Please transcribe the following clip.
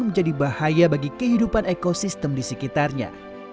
menjadi bahaya bagi kehidupan ekosistem di sekitarnya